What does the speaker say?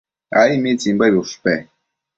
Ai. ¿mitsimbuebi ushpe?